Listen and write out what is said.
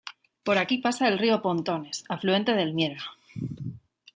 Por aquí pasa el río Pontones, afluente del Miera.